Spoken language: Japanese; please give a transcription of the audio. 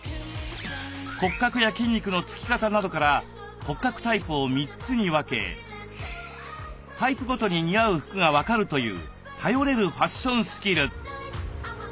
骨格や筋肉の付き方などから骨格タイプを３つに分けタイプごとに似合う服が分かるという頼れるファッションスキル。